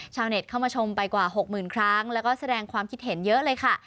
ชาวเน็ตเข้ามาชมไปกว่าหกหมื่นครั้งแล้วก็แสดงความคิดเห็นเยอะเลยค่ะ